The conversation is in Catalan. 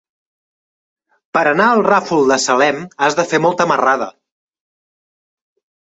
Per anar al Ràfol de Salem has de fer molta marrada.